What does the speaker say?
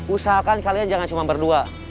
usahakan kalian jangan cuma berdua